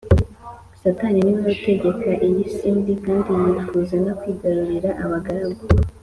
Satani ni we utegeka iyi si mbi kandi yifuza no kwigarurira abagaragu